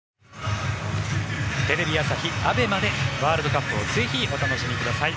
テレビ朝日・ＡＢＥＭＡでワールドカップをぜひお楽しみください。